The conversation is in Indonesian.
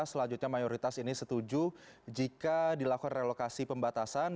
selanjutnya mayoritas ini setuju jika dilakukan relokasi pembatasan